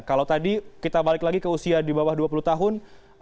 kalau tadi kita balik lagi ke usia di bawah dua puluh tahun